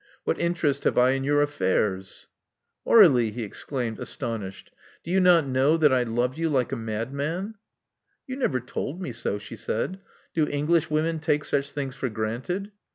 What interest have I in your affairs?" Aur61ie," he exclaimed, astonished: do you not know that I love you like a madman?" You never told me so," she said. Do English women take such things for granted?"